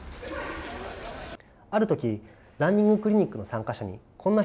ある時ランニングクリニックの参加者にこんな質問をしてみました。